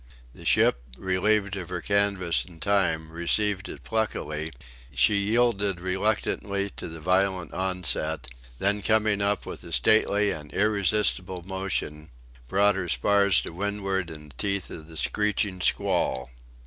The ship relieved of her canvas in time received it pluckily: she yielded reluctantly to the violent onset; then coming up with a stately and irresistible motion, brought her spars to windward in the teeth of the screeching squall.